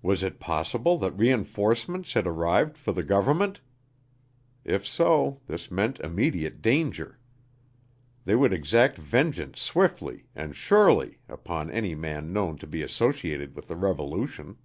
Was it possible that reënforcements had arrived for the government? If so, this meant immediate danger. They would exact vengeance swiftly and surely upon any man known to be associated with the revolution.